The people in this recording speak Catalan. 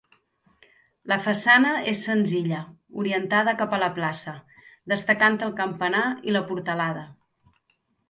La façana és senzilla, orientada cap a la plaça, destacant el campanar i la portalada.